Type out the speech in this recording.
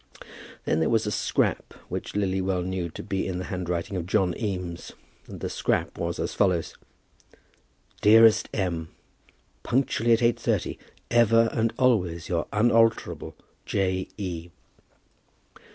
Then there was a scrap, which Lily well knew to be in the handwriting of John Eames, and the scrap was as follows: "Dearest M. Punctually at 8.30. Ever and always your unalterable J. E."